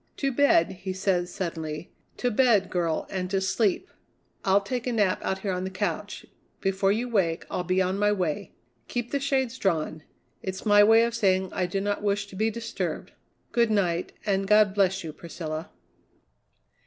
"To bed," he said suddenly; "to bed, girl, and to sleep. I'll take a nap out here on the couch. Before you awake I'll be on my way. Keep the shades drawn; it's my way of saying I do not wish to be disturbed. Good night, and God bless you, Priscilla."